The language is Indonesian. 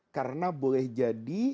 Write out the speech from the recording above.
karena boleh jadi